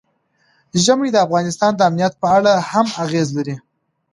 ژمی د افغانستان د امنیت په اړه هم اغېز لري.